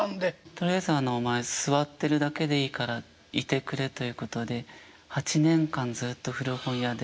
「とりあえずお前座ってるだけでいいからいてくれ」ということで８年間ずっと古本屋で。